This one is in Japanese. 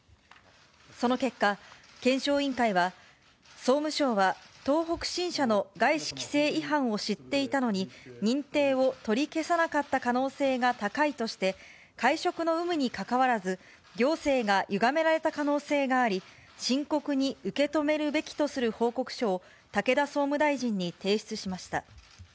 その結果、検証委員会は、総務省は東北新社の外資規制違反を知っていたのに、認定を取り消さなかった可能性が高いとして、会食の有無にかかわらず、行政がゆがめられた可能性があり、深刻に受け止めるべきとする報告書を、武田総務大臣に提出しました。